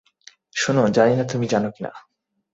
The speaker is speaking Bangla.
শোনো, জানি না তুমি জানো কিনা।